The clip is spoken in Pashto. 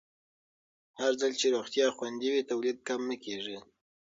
هرځل چې روغتیا خوندي وي، تولید کم نه کېږي.